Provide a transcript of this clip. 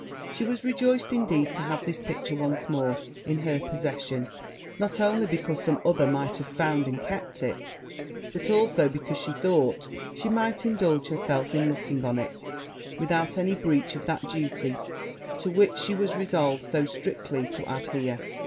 She was rejoiced, indeed, to have this picture once more in her possession; not only because some other might have found and kept it, but also because she thought she might indulge herself in looking on it without any breach of that duty to which she was resolved so strictly to adhere.